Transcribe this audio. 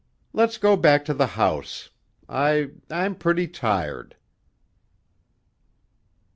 "Let's go back to the house. I I'm pretty tired."